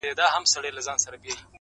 دا مورچل، مورچل پکتيا او دا شېر برېتي٫